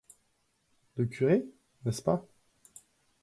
Le curé, n'est-ce pas?